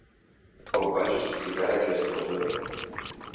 Com van justificar aquesta mesura?